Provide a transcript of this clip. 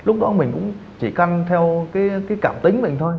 lúc đó mình cũng chỉ căng theo cái cảm tính mình thôi